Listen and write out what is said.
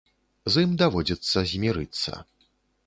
З ім даводзіцца змірыцца.